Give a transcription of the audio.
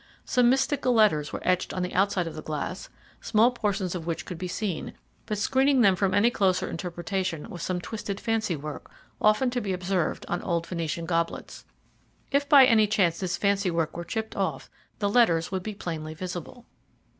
Some mystical letters were etched on the outside of the glass, small portions of which could be seen; but screening them from any closer interpretation was some twisted fancy work, often to be observed on old Venetian goblets. If by any chance this fancy work were chipped off the letters would be plainly visible.